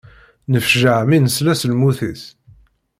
Nefjeε mi nesla s lmut-is.